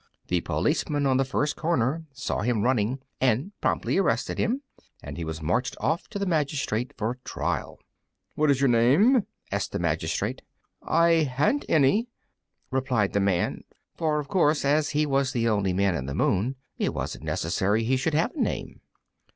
The policeman on the first corner saw him running, and promptly arrested him, and he was marched off to the magistrate for trial. "What is your name?" asked the magistrate. "I haven't any," replied the Man; for of course as he was the only Man in the Moon it wasn't necessary he should have a name.